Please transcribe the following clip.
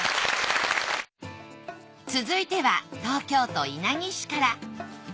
続いては東京都稲城市から。